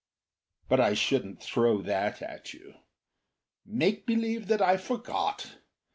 But I shouldn't throw that at you. Make believe that I forgot.